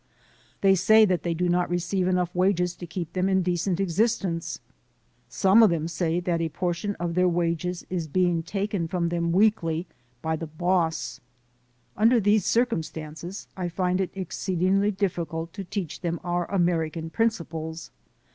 ... They say that they do not receive enough wages to keep them in decent existence; some of them say that a portion of their wages is being taken from them weekly by the 'boss.' Under these circumstances I find it exceedingly difficult to teach them our American principles.